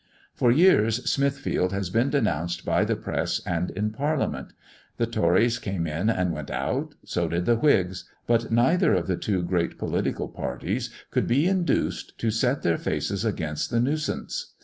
For years Smithfield has been denounced by the press and in Parliament. The Tories came in and went out; so did the Whigs. But neither of the two great political parties could be induced to set their faces against the nuisance.